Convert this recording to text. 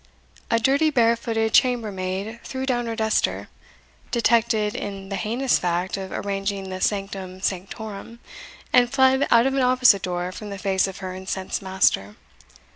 A dirty barefooted chambermaid threw down her duster, detected in the heinous fact of arranging the sanctum sanctorum, and fled out of an opposite door from the face of her incensed master.